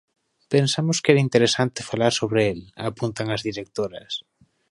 Pensamos que era interesante falar sobre el, apuntan as directoras.